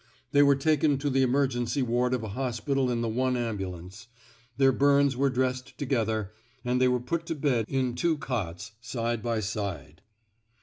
They were taken to the emergency ward of an hospital in the one ambulance ; their burns were dressed together ; and they were put to bed in two cots side by side.